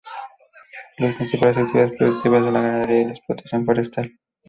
Las principales actividades productivas son la ganadería y la explotación forestal.